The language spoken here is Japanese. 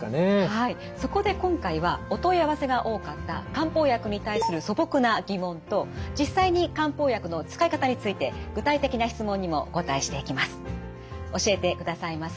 はいそこで今回はお問い合わせが多かった漢方薬に対する素朴な疑問と実際に漢方薬の使い方について具体的な質問にもお答えしていきます。